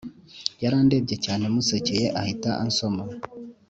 Yarandebye cyane musekeye ahita ansoma